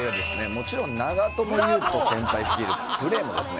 もちろん長友佑都先輩率いるプレーもですね